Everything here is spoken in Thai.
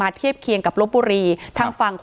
ว่าต้องเทียบเคียงกับเหตุการณ์นี้ด้วยเดี๋ยวลองฟังดูค่ะ